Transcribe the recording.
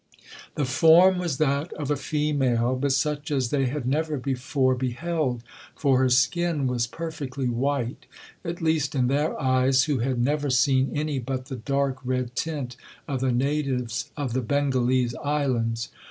'The form was that of a female, but such as they had never before beheld, for her skin was perfectly white, (at least in their eyes, who had never seen any but the dark red tint of the natives of the Bengalese islands).